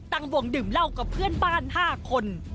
วงดื่มเหล้ากับเพื่อนบ้าน๕คน